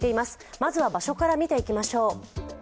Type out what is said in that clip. まずは場所から見ていきましょう。